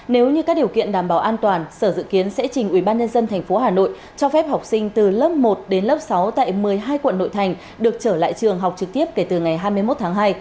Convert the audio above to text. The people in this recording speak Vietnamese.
nếu như các điều kiện đảm bảo an toàn sở dự kiến sẽ trình ubnd tp hà nội cho phép học sinh từ lớp một đến lớp sáu tại một mươi hai quận nội thành được trở lại trường học trực tiếp kể từ ngày hai mươi một tháng hai